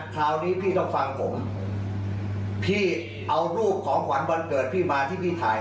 คราวนี้พี่ต้องฟังผมพี่เอารูปของขวัญวันเกิดพี่มาที่พี่ถ่าย